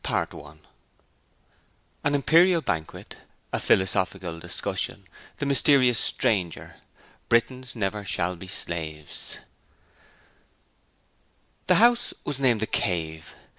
Chapter 1 An Imperial Banquet. A Philosophical Discussion. The Mysterious Stranger. Britons Never shall be Slaves The house was named 'The Cave'.